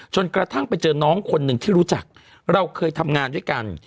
กระทั่งไปเจอน้องคนหนึ่งที่รู้จักเราเคยทำงานด้วยกัน